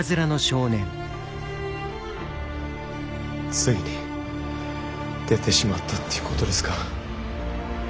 ついに出てしまったということですか。